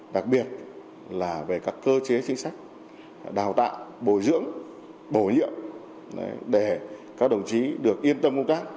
đặc biệt là về các cơ chế chính sách đào tạo bồi dưỡng bổ nhiệm để các đồng chí được yên tâm công tác